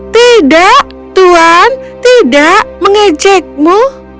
tidak tuan tidak mengejekmu